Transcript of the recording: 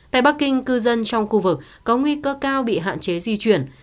tại bắc kinh cư dân trong khu vực có nguy cơ cao bị hạn chế di chuyển